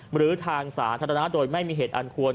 หรือทางสาธารณะโดยไม่มีเหตุอันควร